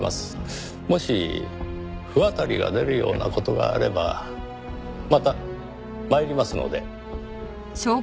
もし不渡りが出るような事があればまた参りますので。